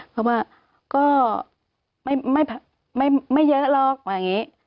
เพราะว่าก็ไม่เยอะหรอกว่าอย่างนี้